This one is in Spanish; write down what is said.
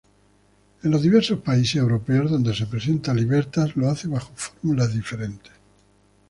En los diversos países europeos donde se presenta, Libertas lo hace bajo fórmulas diferentes.